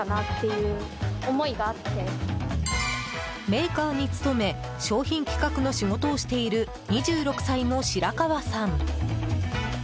メーカーに勤め、商品企画の仕事をしている２６歳の白河さん。